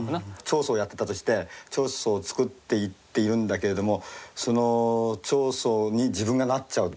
彫塑をやってたとして彫塑を作っていっているんだけれどもその彫塑に自分がなっちゃう。